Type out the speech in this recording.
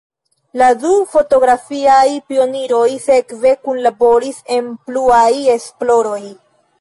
La du fotografiaj pioniroj sekve kunlaboris en pluaj esploroj.